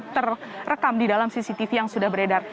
terekam di dalam cctv yang sudah beredar